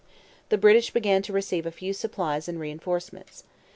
The British began to receive a few supplies and reinforcements.